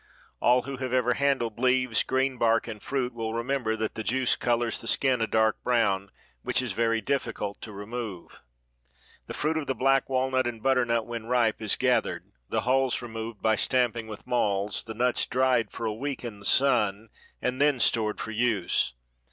All who have ever handled leaves, green bark and fruit will remember that the juice colors the skin a dark brown which is very difficult to remove. The fruit of the black walnut and butternut when ripe is gathered, the hulls removed by stamping with mauls, the nuts dried for a week in the sun and then stored for use.